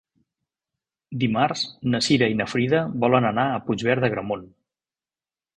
Dimarts na Cira i na Frida volen anar a Puigverd d'Agramunt.